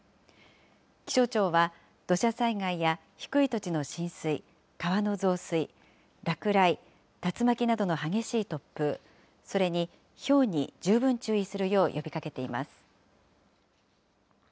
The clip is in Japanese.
気象庁は、土砂災害や低い土地の浸水、川の増水、落雷、竜巻などの激しい突風、それにひょうに十分注意するよう呼びかけています。